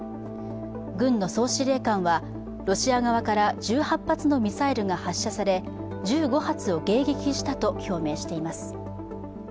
軍の総司令官は、ロシア側から１８発のミサイルが発射され１５発を迎撃したと表明しています。